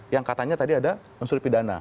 yang katanya tadi ada unsur pidana